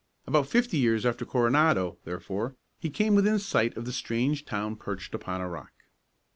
About fifty years after Coronado, therefore, he came within sight of the strange town perched upon a rock.